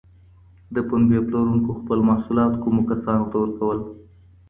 د پنبې پلورونکو خپل محصولات کومو کسانو ته ورکول؟